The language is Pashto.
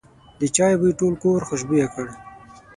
د چای بوی ټول کور خوشبویه کړ.